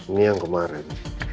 ini yang kemarin